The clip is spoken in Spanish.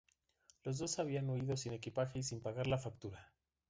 Los dos habían huido sin el equipaje y sin pagar la factura.